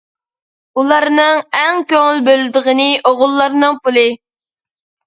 ئۇلارنىڭ ئەڭ كۆڭۈل بۆلىدىغىنى ئوغۇللارنىڭ پۇلى.